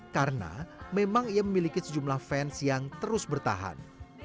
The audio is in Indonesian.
karena memang ia memiliki sejumlah fans yang terus bertahan